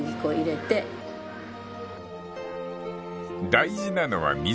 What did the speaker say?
［大事なのは水加減］